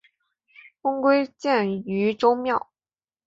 公归荐于周庙。